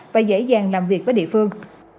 và dễ dàng làm việc với địa phương